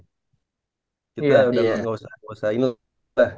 iya udah nggak usah ini lah